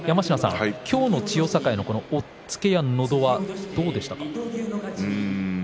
今日の千代栄の押っつけやのど輪どうでしたか？